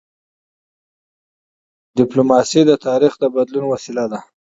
ډيپلوماسي د تاریخ د بدلون وسیله وه.